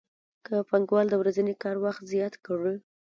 که پانګوال د ورځني کار وخت زیات کړي